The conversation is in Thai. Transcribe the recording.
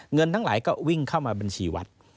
เงินทั้งหลายก็วิ่งเข้ามาบัญชีวัด